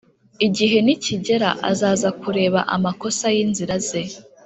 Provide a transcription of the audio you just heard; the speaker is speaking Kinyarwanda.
igihe nikigera azaza kureba amakosa yinzira ze.